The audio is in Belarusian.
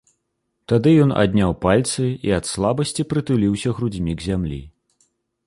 Тады ён адняў пальцы і ад слабасці прытуліўся грудзьмі к зямлі.